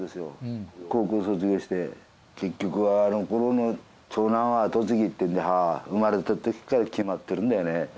結局はあの頃の長男は後継ぎって生まれた時から決まってるんだよね。